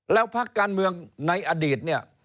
แล้วพักการเมืองในอดีตเนี่ย